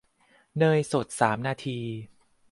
เนยสดสามนาที